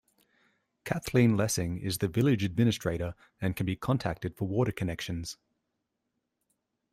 Kathleen Lessing is the Village Administrator and can be contacted for water connections.